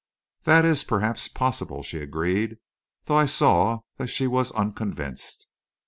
"That is, perhaps, possible," she agreed, though I saw that she was unconvinced.